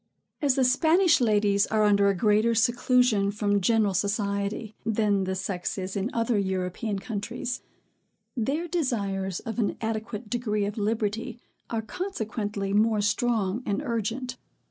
As the Spanish ladies are under a greater seclusion from general society, than the sex is in other European countries, their desires of an adequate degree of liberty are consequently more strong and urgent.